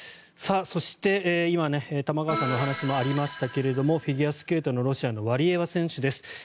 そして、今玉川さんのお話にもありましたがフィギュアスケートのロシアのワリエワ選手です。